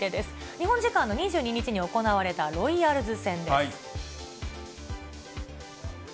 日本時間の２２日に行われたロイヤルズ戦です。